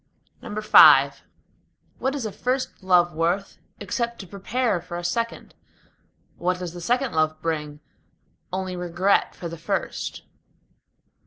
V What is a first love worth, except to prepare for a second? What does the second love bring? Only regret for the first.